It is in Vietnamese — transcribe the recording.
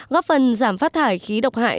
góp phần giảm phát thải khí độc hại